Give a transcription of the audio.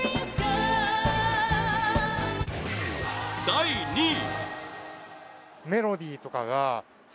第２位